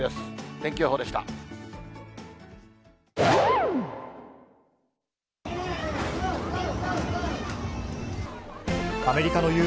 天気予報でした。